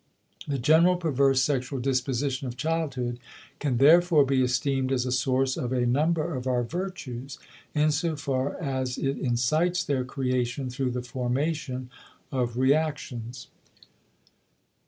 The general perverse sexual disposition of childhood can therefore be esteemed as a source of a number of our virtues, insofar as it incites their creation through the formation of reactions.